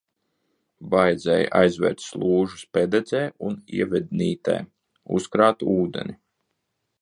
Vajadzēja aizvērt slūžas Pededzē un Ievednītē, uzkrāt ūdeni.